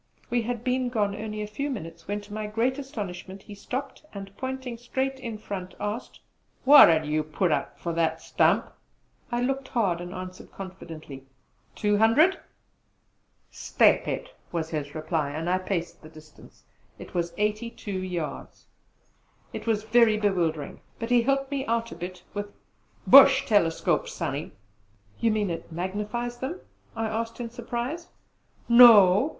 We had been gone only a few minutes when to my great astonishment he stopped and pointing straight in front asked: "What 'ud you put up for that stump?" I looked hard, and answered confidently, "Two hundred!" "Step it!" was his reply. I paced the distance; it was eighty two yards. It was very bewildering; but he helped me out a bit with "Bush telescopes, Sonny!" "You mean it magnifies them?" I asked in surprise. "No!